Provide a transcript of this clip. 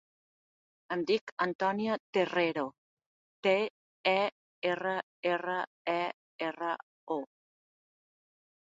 Em dic Antònia Terrero: te, e, erra, erra, e, erra, o.